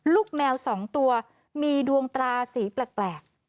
แมว๒ตัวมีดวงตราสีแปลก